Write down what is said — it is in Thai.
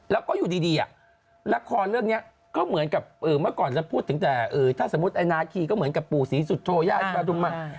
แล้วก็อยู่ดีละครเรื่องนี้ก็เหมือนกับเมื่อก่อนจะพูดถึงแต่ถ้าสมมุติไอ้นาคีก็เหมือนกับปู่ศรีสุโธญาติประทุมมา